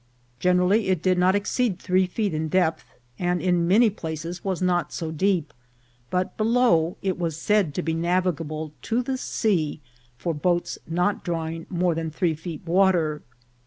Generally it did not exceed three feet in depth, and in many places was not so deep ; but be low it was said to be navigable to the sea for boats not drawing more than three feet water.